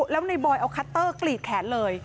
แล้วในบอยเอาคัตเตอร์กรีดแขนเลย